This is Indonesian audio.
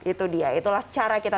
itu dia itulah cara kita